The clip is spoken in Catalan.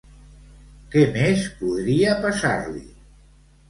Què més podria passar-li?